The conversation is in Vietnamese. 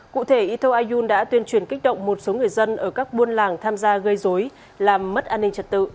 cụ thể eto ayun đã tuyên truyền kích động một số người dân ở các buôn làng tham gia gây dối làm mất an ninh trật tự